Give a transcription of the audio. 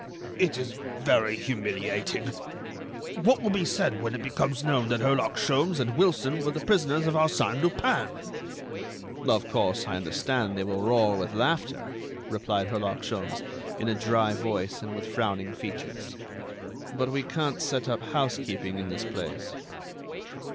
"It is very humiliating. What will be said when it becomes known that Herlock Sholmes and Wilson were the prisoners of Arsène Lupin?" "Of course, I understand they will roar with laughter," replied Herlock Sholmes, in a dry voice and with frowning features, "but we can't set up housekeeping in this place."